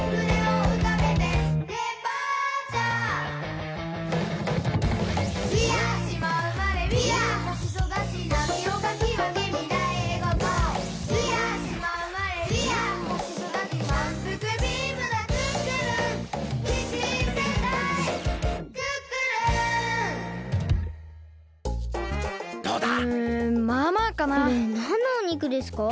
これなんのお肉ですか？